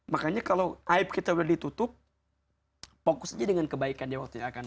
makanya kalau ayat kita udah ditutup fokus aja dengan kebaikan ya waktunya akan datang